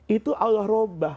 itu allah robah